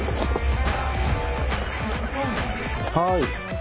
はい。